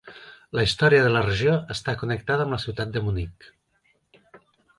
La història de la regió està connectada amb la ciutat de Munic.